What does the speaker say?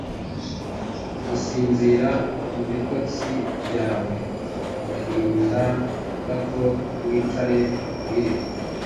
gusinzira! mu bitotsi byawe Agahinda gato wicare urire.